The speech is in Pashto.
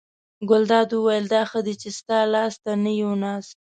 ګلداد وویل: دا ښه دی چې ستا لاس ته نه یو ناست.